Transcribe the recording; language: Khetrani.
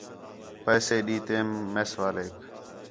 پیسے ݙین٘دیم میس والیک